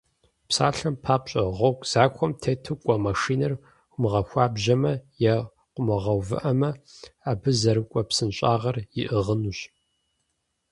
Псалъэм папщӏэ, гъуэгу захуэм тету кӏуэ машинэр, умыгъэхуабжьмэ е къыумыгъэувыӏэмэ, абы зэрыкӏуэ псынщӏагъэр иӏыгъынущ.